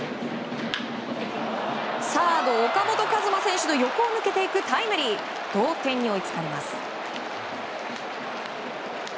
サード、岡本和真選手の横を抜けていくタイムリーで同点に追いつかれます。